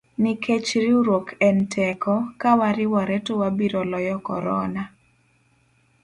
Nikech riwruok en teko, kawariwore to wabiro loyo korona.